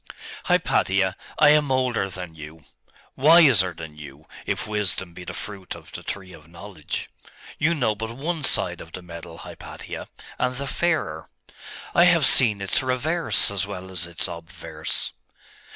'Hypatia, I am older than you wiser than you, if wisdom be the fruit of the tree of knowledge. You know but one side of the medal, Hypatia, and the fairer; I have seen its reverse as well as its obverse.